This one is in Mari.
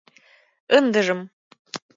Ындыжым...